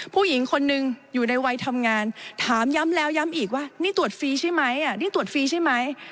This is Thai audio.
ผู้หญิงคนนึงอยู่ในวัยทำงานถามย้ำแล้วย้ำอีกว่านี่ตรวจฟรีใช่ไหมนี่ตรวจฟรีใช่ไหม